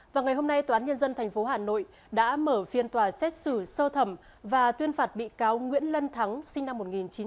vào ngày hôm nay tòa án nhân dân tp hà nội đã mở phiên tòa xét xử sơ thẩm và tuyên phạt bị cáo nguyễn lân thắng sinh năm một nghìn chín trăm tám mươi